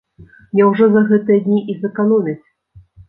Няўжо за гэтыя дні і зэканомяць.